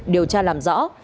điều tra làm rõ